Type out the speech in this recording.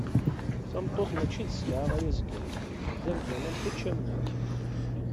Tameṭṭut mači d selɛa ay azger, d amdan am keč d nek.